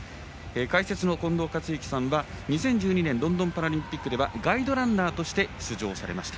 解説の近藤克之さんは２０１２年ロンドンパラリンピックではガイドランナーとして出場されました。